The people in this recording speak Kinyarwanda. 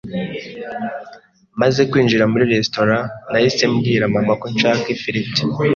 Maze kwinjira muri restaurant, nahise mbwira mama ko nshaka ifiriti.